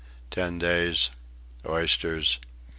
Ten days... oysters..."